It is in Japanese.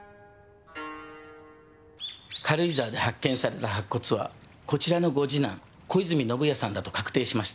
軽井沢で発見された白骨はこちらのご次男小泉宣也さんだと確定しました。